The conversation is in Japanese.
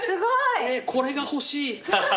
これが欲しい。